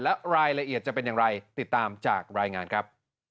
และรายละเอียดจะเป็นอย่างไรติดตามจากรายงานครับ